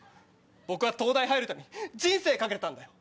僕は東大入るために人生懸けてたんだよ。